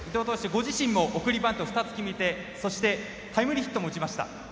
ご自身も送りバント２つ決めてそして、タイムリーヒットも打ちました。